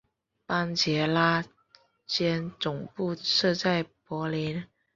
班杰拉将总部设在柏林。